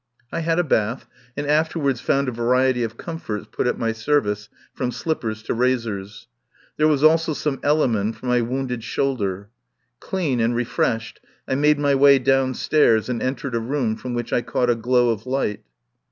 I had a bath, and afterwards found a variety of comforts put at my service, from slippers to razors. There was also some Elliman for my wounded shoulder. Clean and refreshed, I made my way downstairs and entered a room from which I caught a glow of light.